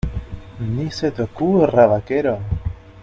¡ Ni se te ocurra, vaquero!